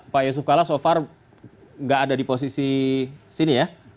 pak yusuf kalla so far nggak ada di posisi sini ya